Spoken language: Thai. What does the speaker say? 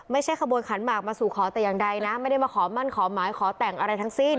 ไม่ใช่ขบวนขันหมากมาสู่ขอแต่อย่างใดนะไม่ได้มาขอมั่นขอหมายขอแต่งอะไรทั้งสิ้น